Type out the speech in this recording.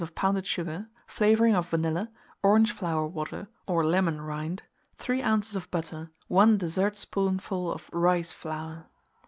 of pounded sugar, flavouring of vanilla, orange flower water, or lemon rind, 3 oz. of butter, 1 dessert spoonful of rice flour.